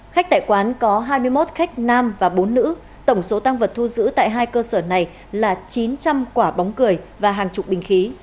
khách tại quán có hai mươi một khách nam và bốn nữ tổng số tăng vật thu giữ tại hai cơ sở này là chín trăm linh quả bóng cười và hàng chục bình khí